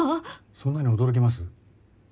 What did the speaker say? そんなに驚きます？